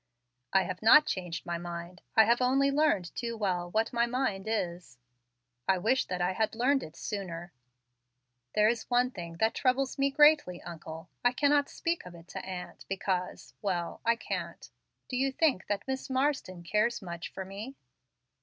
"I have not changed my mind. I have only learned too well what my mind is. I wish that I had learned it sooner. There is one thing that troubles me greatly, uncle. I cannot speak of it to aunt, because Well, I can't. Do you think that Miss Marsden cares much for me?